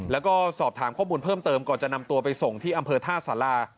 แล้วก็สอบถามข้อมูลเพิ่มเติมก่อนจะนำตัวไปส่งที่อำเภอท่าสารา